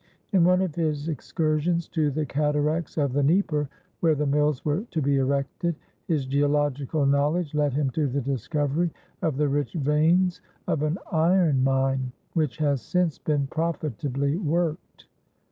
In one of his excursions to the cataracts of the Dnieper, where the mills were to be erected, his geological knowledge led him to the discovery of the rich veins of an iron mine, which has since been profitably worked.